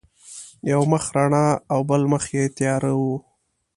یو مخ رڼا او بل مخ یې تیار وي.